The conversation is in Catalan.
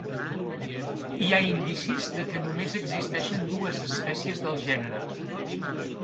Hi ha indicis de que només existeixen dues espècies del gènere.